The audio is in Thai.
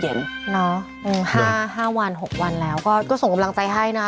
๕วัน๖วันแล้วก็ส่งกำลังใจให้นะ